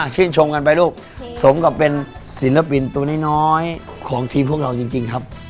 ชื่นชมกันไปลูกสมกับเป็นศิลปินตัวน้อยของทีมพวกเราจริงครับ